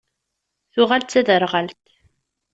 Tuɣal d taderɣalt.